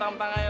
enak banget ya